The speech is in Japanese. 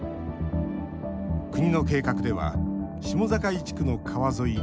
国の計画では下境地区の川沿い